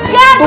ya gue gak mau